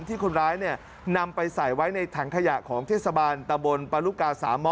ที่คนร้ายนำไปใส่ไว้ในถังขยะของเทศบาลตะบนปารุกา๓ม